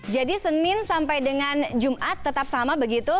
jadi senin sampai dengan jumat tetap sama begitu